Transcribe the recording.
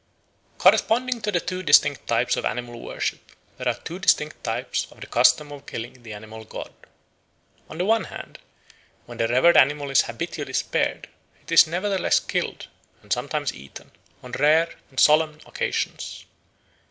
Corresponding to the two distinct types of animal worship, there are two distinct types of the custom of killing the animal god. On the one hand, when the revered animal is habitually spared, it is nevertheless killed and sometimes eaten on rare and solemn occasions.